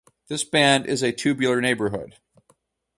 This band is a tubular neighborhood.